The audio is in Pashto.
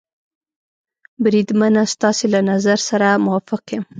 بریدمنه، ستاسې له نظر سره موافق یم.